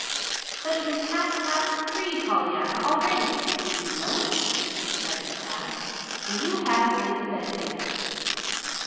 "But it's half past three, Pollyanna, already! Did you know it?" she fretted at last. "And you haven't made the beds yet."